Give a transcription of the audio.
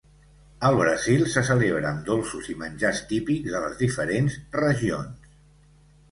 Al Brasil se celebra amb dolços i menjars típics de les diferents regions.